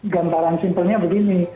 gambaran simpelnya begini